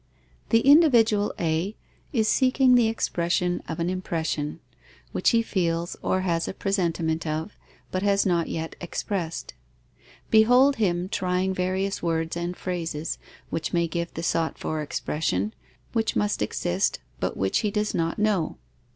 The individual A is seeking the expression of an impression, which he feels or has a presentiment of, but has not yet expressed. Behold him trying various words and phrases, which may give the sought for expression, which must exist, but which he does not know.